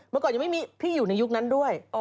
เมื่อก่อนยังไม่มีพี่อยู่ในยุคนั้นด้วย